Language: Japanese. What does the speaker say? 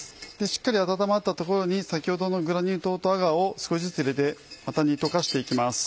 しっかり温まったところに先ほどのグラニュー糖とアガーを少しずつ入れてまた煮溶かして行きます。